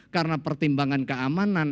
karena pertimbangan keamanan